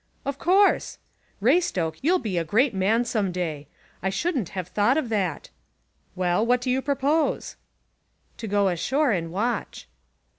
"Of course. Raystoke, you'll be a great man some day. I shouldn't have thought of that. Well, what do you propose?" "To go ashore, and watch."